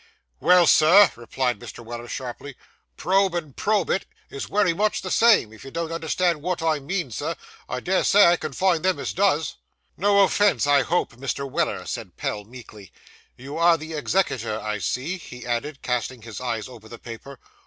'Well, sir,' replied Mr. Weller sharply, 'probe and probe it, is wery much the same; if you don't understand wot I mean, sir, I des say I can find them as does.' 'No offence, I hope, Mr. Weller,' said Pell meekly. 'You are the executor, I see,' he added, casting his eyes over the paper.